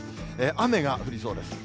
雨が降りそうです。